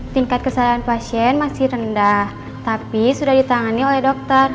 tingkat kesadaran pasien masih rendah tapi sudah ditangani oleh dokter